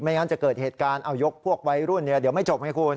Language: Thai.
งั้นจะเกิดเหตุการณ์เอายกพวกวัยรุ่นเดี๋ยวไม่จบไงคุณ